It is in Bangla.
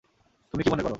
তুমি কী মনে করো?